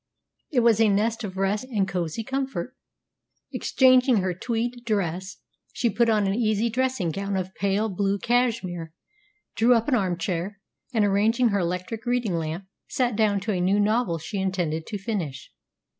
It was a nest of rest and cosy comfort. Exchanging her tweed dress, she put on an easy dressing gown of pale blue cashmere, drew up an armchair, and, arranging her electric reading lamp, sat down to a new novel she intended to finish.